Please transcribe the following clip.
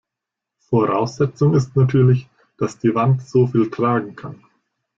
Voraussetzung ist natürlich, dass die Wand so viel tragen kann.